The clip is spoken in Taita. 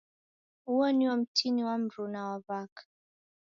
Uo nio mtini wa mruna wa w'aka.